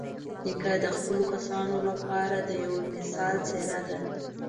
نیکه د خپلو کسانو لپاره یوه مثالي څېره ده.